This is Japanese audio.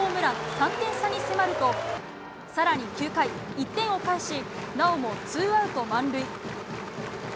３点差に迫ると更に９回、１点を返しなおもツーアウト満塁。